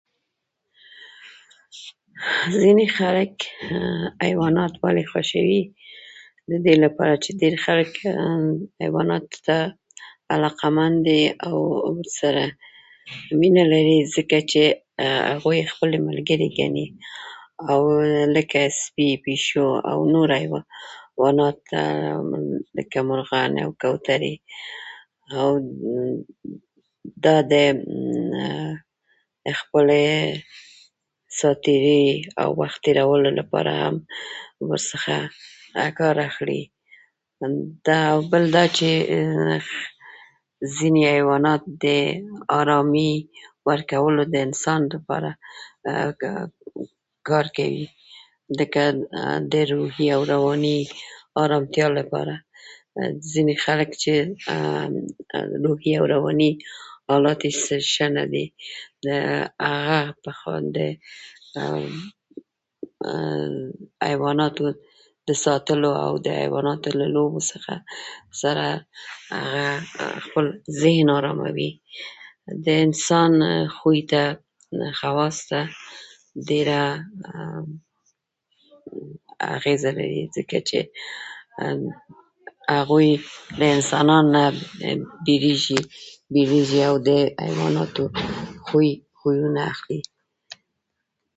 ځینې خلک حیوانات ولې خوښوي؟ د دې لپاره چې ډېر خلک حیواناتو ته علاقه مند دي او ورسره مینه لري، ځکه چې هغوی خپله ملګري ګڼي، او لکه سپي، پیشو او نور حیوانات لکه کوترې، دا د خپلې ساعتېرۍ او وخت تېرولو لپاره ورڅخه کار اخلي. دا بل، بل دا چې ځینې حیوانات د ارامي ورکولو د انسان لپاره کار کوي، لکه د روحي او رواني ارامتیا لپاره. ځینې خلک چې روحي او رواني حالات یې ښه نه دي، هغه په [unintelligible] باندې حیواناتو ته د ساتلو او د حیواناتو د لوبو سره هغه خپل ذهن اراموي. د انسان خوی ته، خواص ته ډېره اغېزه لري، ځکه چې هغوی د انسانانو نه وېرېږي او د حیواناتو خوی، خویونه اخلي.